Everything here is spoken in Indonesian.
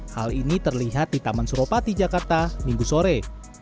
hal ini terlihat di taman suropati jakarta minggu sore